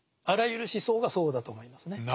あらゆる思想がそうだと思いますね。